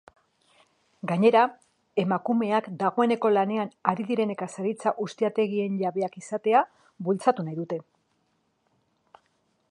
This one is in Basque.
Gainera, emakumeak dagoeneko lanean ari diren nekazaritza-ustiategien jabeak izatea bultzatu nahi dute.